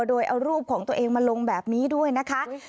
โดยเอารูปของตัวเองมาลงแบบนี้ด้วยนะคะ